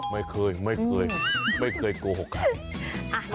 ไม่เคยไม่เคยโกหกใคร